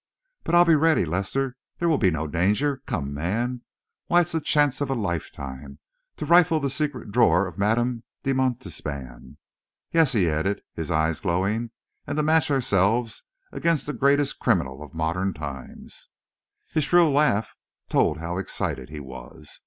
"But I'll be ready, Lester. There will be no danger. Come, man! Why, it's the chance of a lifetime to rifle the secret drawer of Madame de Montespan! Yes!" he added, his eyes glowing, "and to match ourselves against the greatest criminal of modern times!" His shrill laugh told how excited he was.